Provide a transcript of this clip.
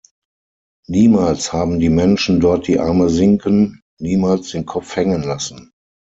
Niemals haben die Menschen dort die Arme sinken, niemals den Kopf hängen lassen.